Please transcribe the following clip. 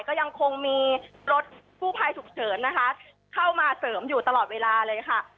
ก็ยังคงมีรถกู้ภัยฉุกเฉินนะคะเข้ามาเสริมอยู่ตลอดเวลาเลยค่ะ